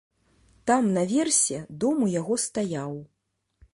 Там, на версе дом у яго стаяў.